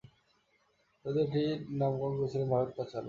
যদিও কবি এটির নামকরণ করেছিলেন "ভারত-পাঁচালী"।